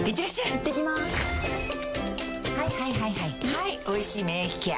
はい「おいしい免疫ケア」